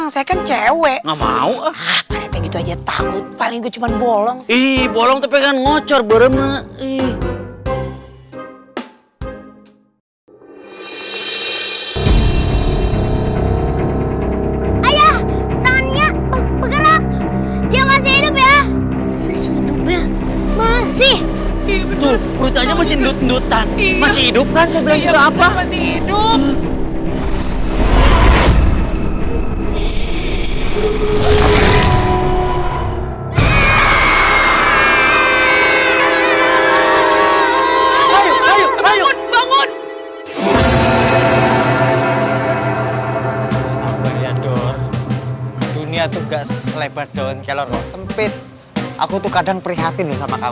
sampai jumpa di video selanjutnya